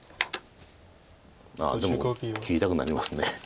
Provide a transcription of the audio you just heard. ああでも切りたくなります。